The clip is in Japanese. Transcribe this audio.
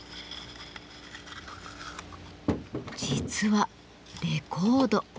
実はレコード。